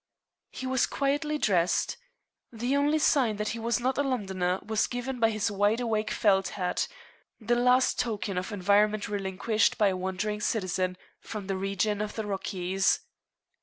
He was quietly dressed. The only sign that he was not a Londoner was given by his wide awake felt hat, the last token of environment relinquished by a wandering citizen from the region of the Rockies.